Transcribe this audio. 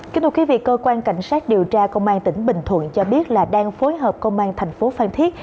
kính thưa quý vị cơ quan cảnh sát điều tra công an tỉnh bình thuận cho biết là đang phối hợp công an thành phố phan thiết